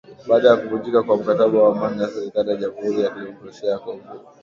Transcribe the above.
baada ya kuvunjika kwa mkataba wa amani na serikali ya Jamhuri ya kidemokrasia ya Kongo